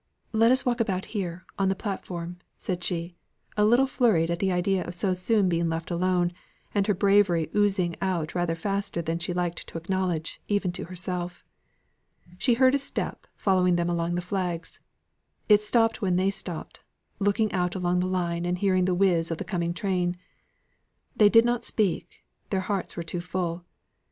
Let us walk about here on the platform," said she, a little flurried at the idea of so soon being left alone, and her bravery oozing out rather faster than she liked to acknowledge even to herself. She heard a step following them along the flags; it stopped when they stopped, looking out along the line and hearing the whizz of the coming train. They did not speak; their hearts were too full.